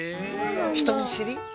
ひとみしり。